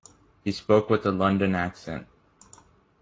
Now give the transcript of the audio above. He spoke with a London accent.